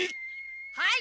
はい！